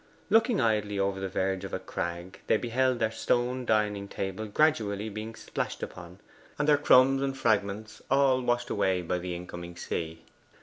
Looking idly over the verge of a crag, they beheld their stone dining table gradually being splashed upon and their crumbs and fragments all washed away by the incoming sea.